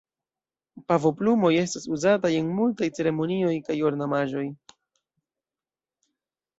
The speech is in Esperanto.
Pavoplumoj estas uzataj en multaj ceremonioj kaj ornamaĵoj.